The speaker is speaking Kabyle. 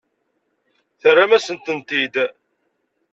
Terram-asen-tent-id.